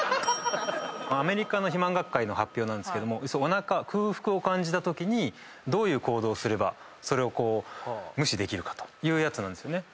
アメリカの肥満学会の発表ですけど空腹を感じたときにどういう行動をすればそれを無視できるかというやつなんですよね。